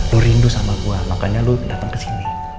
lo rindu sama gua makanya lo datang kesini